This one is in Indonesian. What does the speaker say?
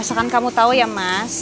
asalkan kamu tahu ya mas